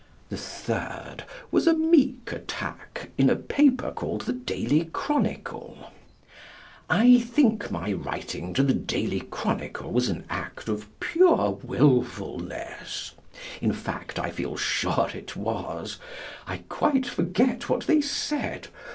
The third was a meek attack in a paper called the Daily Chronicle. I think my writing to the Daily Chronicle was an act of pure wilfulness. In fact, I feel sure it was. I quite forget what they said.